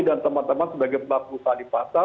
dan teman teman sebagai bapu salipasa